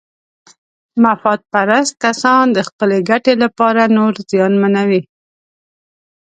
مفاد پرست کسان د خپلې ګټې لپاره نور زیانمنوي.